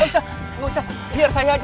nggak usah biar saya aja